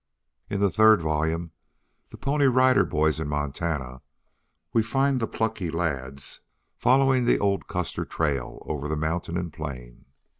In the third volume, "THE PONY RIDER BOYS IN MONTANA," we find the plucky lads following the old Custer trail over mountain and plain.